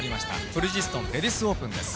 ブリヂストンレディスオープンです。